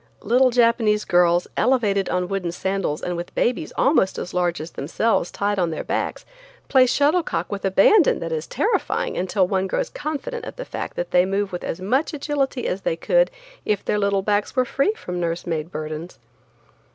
Little Japanese girls, elevated on wooden sandals and with babies almost as large as themselves tied on their backs, play shuttle cock with an abandon that is terrifying until one grows confident of the fact that they move with as much agility as they could if their little backs were free from nursemaid burdens.